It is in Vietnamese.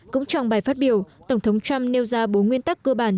cũng trong bài phát biểu tổng thống trump nêu ra bốn nguyên tắc cơ bản